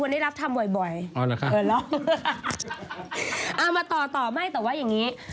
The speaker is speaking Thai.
ใช่หรือเฮน